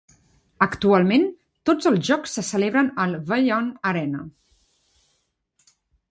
Actualment, tots els jocs se celebren al Vaillant Arena.